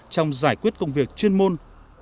trong giải quyết công việc chuyên môn